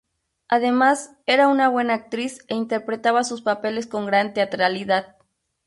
Además, era una buena actriz e interpretaba sus papeles con gran teatralidad.